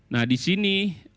nah di sini